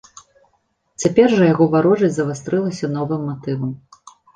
Цяпер жа яго варожасць завастрылася новым матывам.